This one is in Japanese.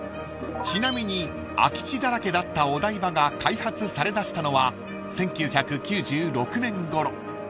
［ちなみに空き地だらけだったお台場が開発されだしたのは１９９６年ごろ］